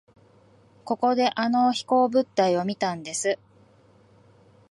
ここであの飛行物体を見たんです。